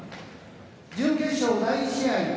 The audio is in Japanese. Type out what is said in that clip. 準決勝第１試合